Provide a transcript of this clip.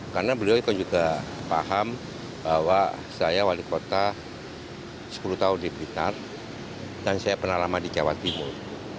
karena beliau juga paham bahwa saya wali kota sepuluh tahun di bintar dan saya penalama di jawa timur